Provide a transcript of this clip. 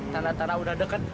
tanda tanda sudah dekat